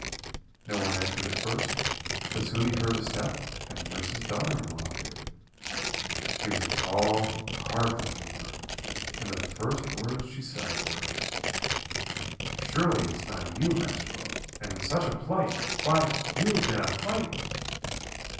No one answered at first, but soon he heard a step, and nurse's daughter in law appeared. "She was a tall, hard looking woman, and the first words she said, were: "'Surely it is not you, Master Low, and in such a plight? Why, you have been a fighting.'